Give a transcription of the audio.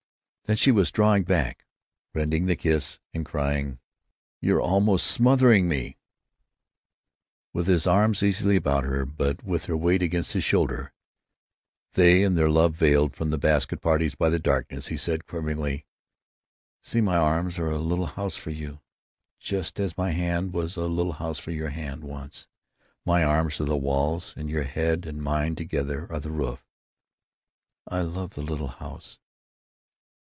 Then she was drawing back, rending the kiss, crying, "You're almost smothering me!" With his arms easily about her, but with her weight against his shoulder, they and their love veiled from the basket parties by the darkness, he said, quiveringly: "See, my arms are a little house for you, just as my hand was a little house for your hand, once. My arms are the walls, and your head and mine together are the roof." "I love the little house."